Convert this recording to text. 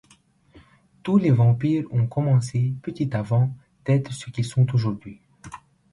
Tous les vampires ont commencé petit avant d'être ce qu'ils sont aujourd'hui.